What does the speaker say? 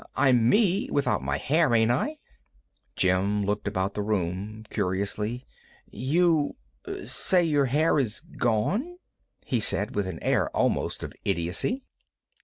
I'm me without my hair, ain't I?" Jim looked about the room curiously. "You say your hair is gone?" he said, with an air almost of idiocy.